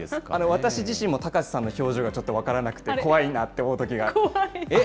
私自身も高瀬さんの表情がちょっと分からなくて、怖いなと思えっ？